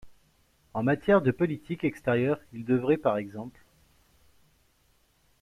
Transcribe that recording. En matière de politique extérieure, il devrait p.ex.